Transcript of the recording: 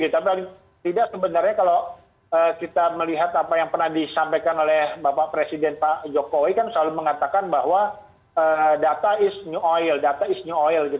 tapi tidak sebenarnya kalau kita melihat apa yang pernah disampaikan oleh bapak presiden pak jokowi kan selalu mengatakan bahwa data is new oil